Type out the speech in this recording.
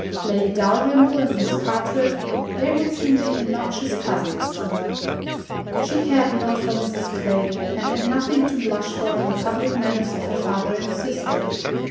Lady Dalrymple and Miss Carteret—they would soon be innoxious cousins to her. She cared not for Mrs Clay, and had nothing to blush for in the public manners of her father and sister.